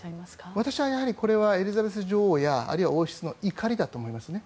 私はこれはエリザベス女王やあるいは王室の怒りだと思いますね。